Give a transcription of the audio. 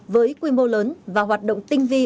với quy mô lớn và hoạt động tinh vi